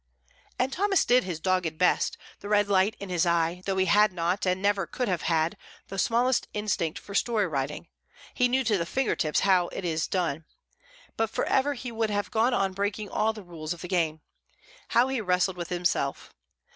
And Thomas did his dogged best, the red light in his eye; though he had not, and never could have had, the smallest instinct for story writing, he knew to the finger tips how it is done; but for ever he would have gone on breaking all the rules of the game. How he wrestled with himself!